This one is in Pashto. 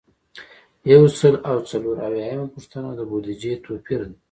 یو سل او څلور اویایمه پوښتنه د بودیجې توپیر دی.